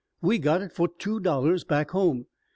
We got it for two dollars back home.